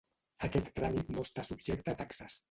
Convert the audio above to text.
Aquest tràmit no està subjecte a taxes.